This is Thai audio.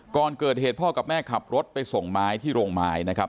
ก่อนเกิดเหตุพ่อกับแม่ขับรถไปส่งไม้ที่โรงไม้นะครับ